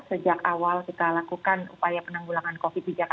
sejak awal kita lakukan upaya penanggulangan covid di jakarta